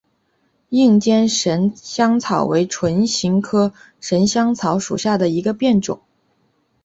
硬尖神香草为唇形科神香草属下的一个变种。